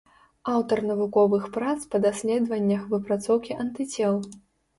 Аўтар навуковых прац па даследаваннях выпрацоўкі антыцел.